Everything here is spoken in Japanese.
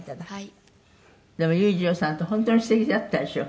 「でも裕次郎さんって本当に素敵だったでしょ？」